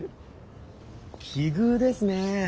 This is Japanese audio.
奇遇ですね。